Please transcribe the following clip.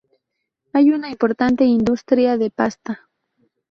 Hay una importante industria de pasta.